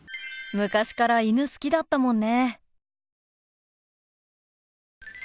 昔から犬好きだったもんね。